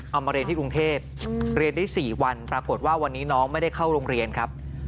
มาเรียนที่กรุงเทพเรียนได้๔วันปรากฏว่าวันนี้น้องไม่ได้เข้าโรงเรียนครับ